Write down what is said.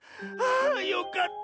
あよかった。